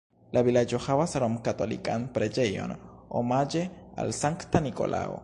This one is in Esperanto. La vilaĝo havas romkatolikan preĝejon omaĝe al Sankta Nikolao.